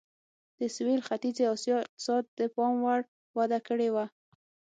د سوېل ختیځې اسیا اقتصاد پاموړ وده کړې وه.